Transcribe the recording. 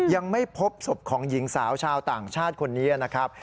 ยังไม่พบศพของหญิงสาวชาวต่างชาติคนนี้นะครับ